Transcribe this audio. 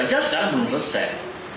saya rasa sekarang belum selesai